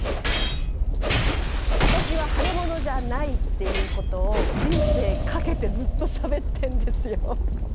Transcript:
あたしは腫れ物じゃないっていうことを人生懸けてずっとしゃべってんですよ。